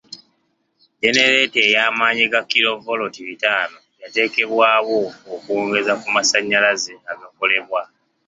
Genereeta ey'amaanyi ga kilo voloti bitaano yateekebwawo okwongeza ku masanyalaze agakolebwa.